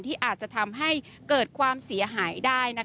ที่อาจจะทำให้เกิดความเสียหายได้